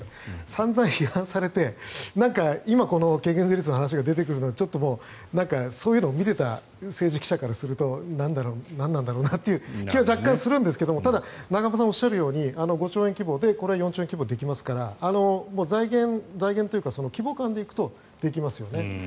散々、批判されて今、この軽減税率の話が出てくるのはちょっとそういうのを見ていた政治記者からするとなんなんだろうなという気は若干するんですがただ、永濱さんがおっしゃるように５兆円規模でこれは４兆円規模でできますから財源というか、規模感でいうとできますよね。